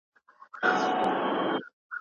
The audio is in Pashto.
نېکمرغي په متحد حکومت کي پيدا کېږي.